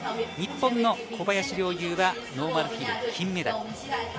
日本の小林陵侑がノーマルヒル、金メダル。